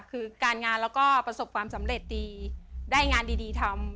คือการงานแล้วก็ประสบความสำเร็จดีได้งานดีทำ